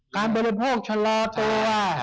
บริโภคชะลอตัว